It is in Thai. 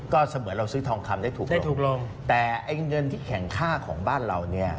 ก็เสมือนเราซื้อทองคำได้ถูกได้ถูกลงแต่ไอ้เงินที่แข่งค่าของบ้านเราเนี่ย